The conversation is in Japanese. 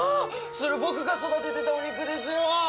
それ僕が育ててたお肉ですよ！